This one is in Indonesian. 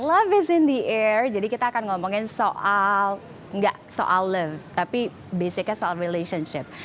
love is in the air jadi kita akan ngomongin soal nggak soal love tapi basicnya soal relationship